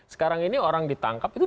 sekarang ini orang ditangkap itu